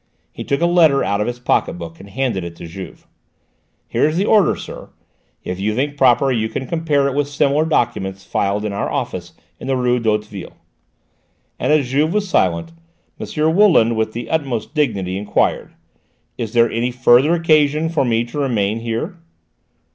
He took a letter out of his pocket book, and handed it to Juve. "Here is the order, sir; if you think proper you can compare it with similar documents filed in our office in the rue d'Hauteville"; and as Juve was silent, Mr. Wooland, with the utmost dignity, enquired: "Is there any further occasion for me to remain here?"